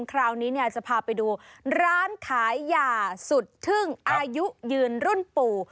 คราวนี้เนี่ยจะพาไปดูร้านขายยาสุดทึ่งอายุยืนรุ่นปู่